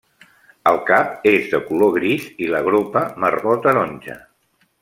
El cap és de color gris i la gropa marró taronja.